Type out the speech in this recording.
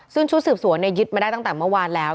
ซึ่งชุดสืบสวนยึดมาได้ตั้งแต่เมื่อวานแล้ว